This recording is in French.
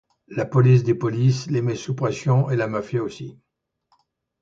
La police des polices les met sous pression et la mafia aussi.